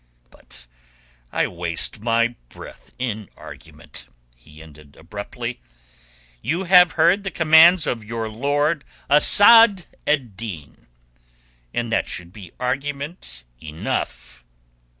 "But I waste my breath in argument," he ended abruptly. "You have heard the commands of your lord, Asad ed Din, and that should be argument enough.